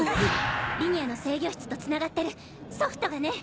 リニアの制御室とつながってるソフトがね。